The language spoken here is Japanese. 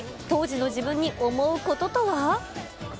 当時の自分に思うこととは。